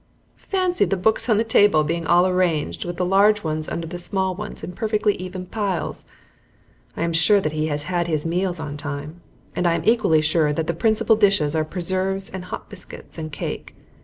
Fancy the books on the table being all arranged with the large ones under the small ones in perfectly even piles! I am sure that he has his meals on time, and I am equally sure that the principal dishes are preserves and hot biscuits and cake.